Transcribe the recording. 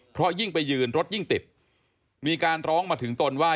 เพราะยิ่งไปยืนรถยิ่งติดมีการร้องมาถึงตนว่า